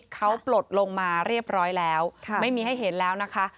เขาปลดลงมาเรียบร้อยแล้วไม่มีให้เห็นแล้วนะคะ